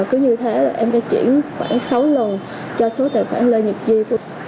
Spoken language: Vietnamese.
cứ như thế em phải chuyển khoản sáu lần cho số tài khoản lơ nhật duy